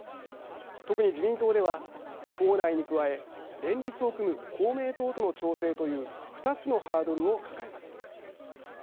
特に自民党では、党内に加え連立を組む公明党との調整という２つのハードルを抱えます。